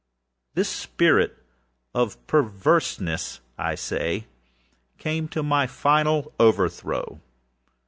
This spirit of perverseness, I say, came to my final overthrow.